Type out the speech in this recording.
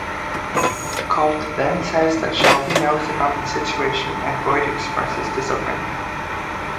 Colt then says that Shelby knows about the situation and Boyd expresses disappointment.